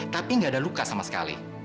tapi nggak ada luka sama sekali